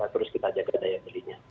terus kita jaga daya belinya